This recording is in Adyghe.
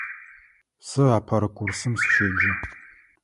Сэ апэрэ курсым сыщеджэ.